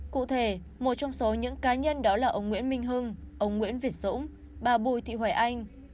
cụ thể một trong số những cá nhân đó là ông nguyễn minh hưng ông nguyễn việt dũng bà bùi thị hoài anh